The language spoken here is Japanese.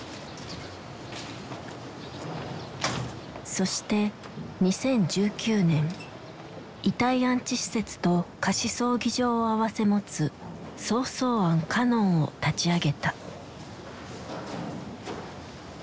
そして２０１９年遺体安置施設と貸し葬儀場をあわせ持つ「想送庵カノン」を立ち上げた。